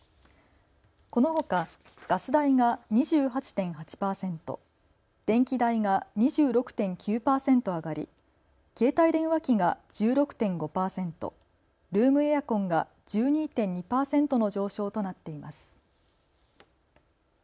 このほかガス代が２８．８％、電気代が２６．９％上がり、携帯電話機が１６．５％、ルームエアコンが１２．２％の上昇となっています。